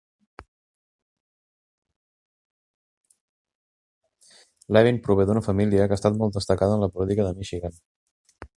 Levin prové d'una família que ha estat molt destacada en la política del Michigan.